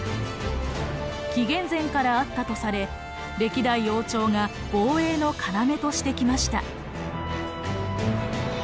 紀元前からあったとされ歴代王朝が防衛の要としてきました。